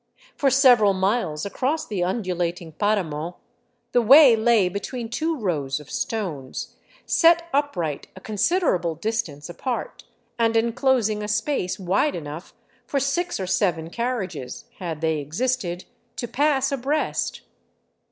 For several miles across the undulating paramo the way lay between two rows of stones, set upright a considerable distance apart, and enclosing a space wide enough for six or seven carriages, had they existed, to pass abreast.